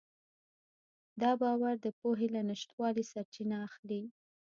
دا باور د پوهې له نشتوالي سرچینه اخلي.